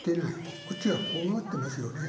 こっちはこうなってますよね。